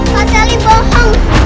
kak seli bohong